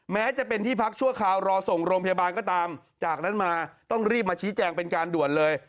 แม้จะเป็นที่พักชั่วคราวรอส่งโรงพยาบาลก็ตามจากนั้นมาต้องรีบมาชี้แจงเป็นการด่วนเลย